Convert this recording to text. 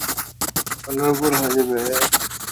এই জমি অনুর্বর হয়ে যাবে।